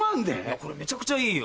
これめちゃくちゃいいよ。